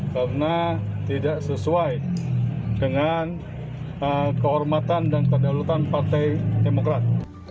karena tidak sesuai dengan kehormatan dan kedaulatan partai demokrat